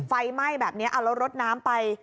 ไฟไหม้แบบนี้เอาแล้วรถน้ำไป